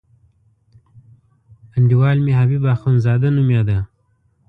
انډیوال مې حبیب اخندزاده نومېده.